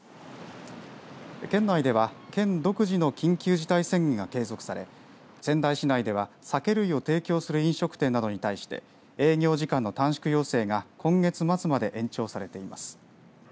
県内では県独自の緊急事態宣言が継続され仙台市内では酒類を提供する飲食店などに対して営業時間の短縮要請が今月末まで延長されています。